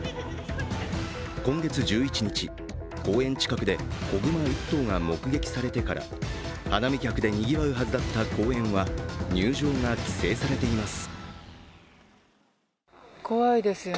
今月１１日、公園近くで子熊１頭が目撃されてから花見客でにぎわうはずだった公園は入場が規制されています。